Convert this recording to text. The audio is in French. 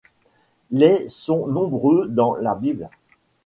Les sont nombreux dans la bible.